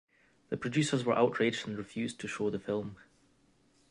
The producers were outraged and refused to show the film.